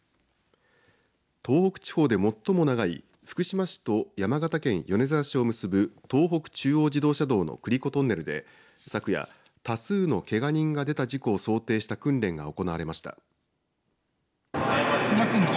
東北地方で最も長い福島市と山形県米沢市を結ぶ東北中央自動車道の栗子トンネルで昨夜多数のけが人が出た事故を想定した訓練が行われました。